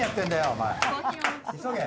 お前急げ